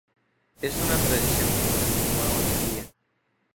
Es una tradición que continúa hoy en día.